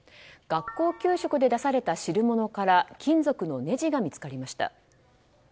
学校給食で出された汁物から金属のねじが見つかりました。